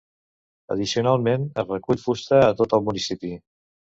Addicionalment, es recull fusta a tot el municipi.